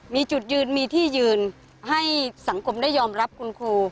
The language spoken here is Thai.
มีจุดยืนมีที่ยืนให้สังคมได้ยอมรับคุณครู